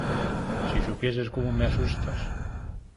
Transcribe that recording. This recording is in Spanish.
¡ si supieses cómo me asustas!...